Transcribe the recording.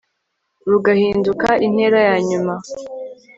rugahinduka intera ya nyuma